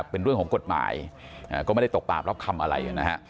เป็นเรื่องของกฎหมายก็ไม่ได้ตกปราบรับคำอะไรนะฮะ